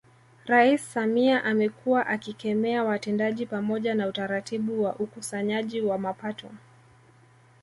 Rais Samia amekuwa akikemea watendaji pamoja na utaratibu wa ukusanyaji wa mapato